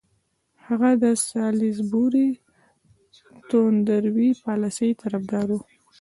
هغه د سالیزبوري توندروي پالیسۍ طرفدار وو.